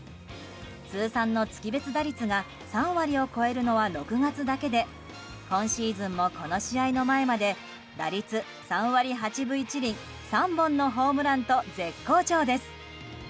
通算の月別打率が３割を超えるのは６月だけで今シーズンも、この試合の前まで打率３割８分１厘３本のホームランと絶好調です。